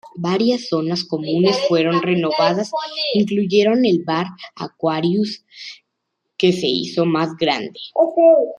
Varias zonas comunes fueron renovadas incluyendo el bar Aquarius, que se hizo más grande.